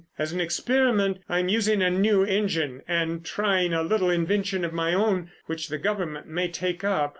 As an experiment I am using a new engine and trying a little invention of my own which the Government may take up.